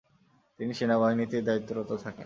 তিনি সেনাবাহিনীতেই দায়িত্বরত থাকেন।